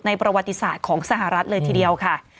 ประวัติศาสตร์ของสหรัฐเลยทีเดียวค่ะ